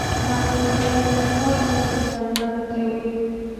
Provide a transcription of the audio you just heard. دا انتقاد د شوخۍ په بڼه نغښتې وي.